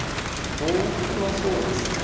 同歩はそうですね。